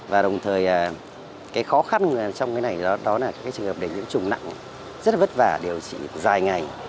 và đồng thời cái khó khăn trong cái này đó là các trường hợp để nhiễm trùng nặng rất là vất vả điều trị dài ngày